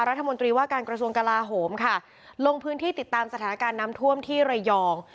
รัฐมนตรีว่าการกระทรวงกลาโหมค่ะลงพื้นที่ติดตามสถานการณ์น้ำท่วมที่ระยอง